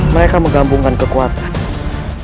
mereka menggambungkan kekuatan